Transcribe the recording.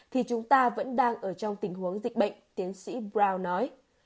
thì chúng ta vẫn đang ở trong tình huống dịch bệnh tiến sĩ brow nói